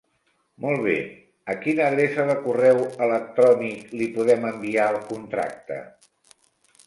Molt bé, a quina adreça de correu electrònic li podem enviar el contracte?